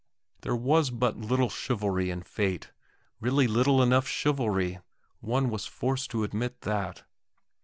There was but little chivalry in fate, really little enough chivalry; one was forced to admit that.